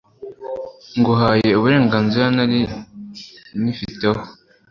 nguhaye uburenganzira nari nyifiteho